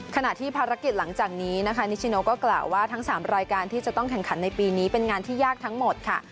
ขณะที่ภารกิจหลังจากนี้นะคะนิชิโนก็กล่าวว่าทั้ง๓รายการที่จะต้องแข่งขันในปีนี้เป็นงานที่ยากทั้งหมดค่ะ